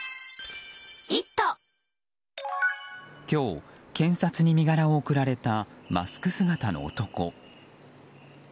今日、検察に身柄を送られたマスク姿の男。